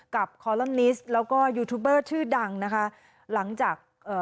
คอลัมนิสแล้วก็ยูทูบเบอร์ชื่อดังนะคะหลังจากเอ่อ